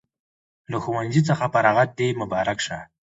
له ښوونځي څخه فراغت د مبارک شه